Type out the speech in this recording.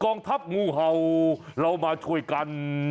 องทัพงูเห่าเรามาช่วยกัน